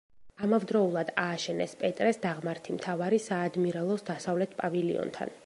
ამავდროულად ააშენეს პეტრეს დაღმართი მთავარი საადმირალოს დასავლეთ პავილიონთან.